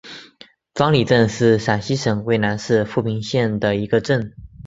庄里镇是陕西省渭南市富平县的一个镇。